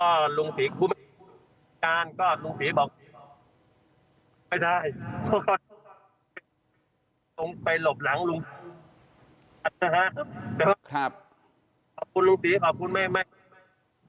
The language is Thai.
ก็ลุงศรีฟุตภารการก็ลุงศรีบอกไม่ได้เพราะว่าเขาก็คงไปหลบหลังลุงศรีอย่างนั้นนะครับ